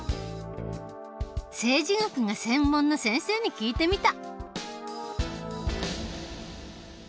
政治学が専門の先生に聞いてみた。